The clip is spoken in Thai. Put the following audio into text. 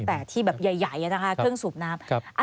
แต่ที่แบบใหญ่นะคะเครื่องสูบน้ำ